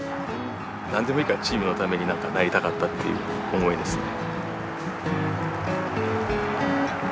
何でもいいからチームのために何かなりたかったっていう思いですね。